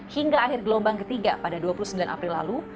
hingga akhir gelombang ketiga pada dua puluh sembilan april lalu